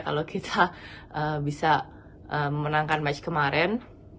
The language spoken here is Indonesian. kalau kita bisa memenangkan match kemarin